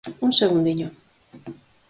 Un segundiño.